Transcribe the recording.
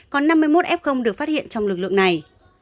có năm mươi một f được phát hiện trong lực lượng này